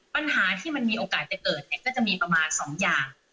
ปัญหาที่มันมีโอกาสจะเกิดเนี่ยก็จะมีประมาณ๒อย่าง